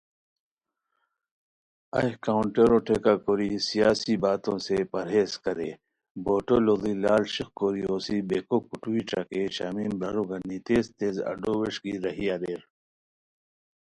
ایہہ کاونٹرو ٹیکا کوری (سیاسی باتوں سے پرہیز کریں) بورڈو لُوڑی لال ݰیق کوری اوسی بیکھو کھوٹوئی ݯاکئے شمیم برارو گنی تیز تیز اڈو و وݰکی راہی اریر